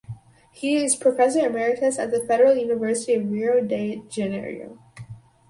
He is professor emeritus at the Federal University of Rio de Janeiro.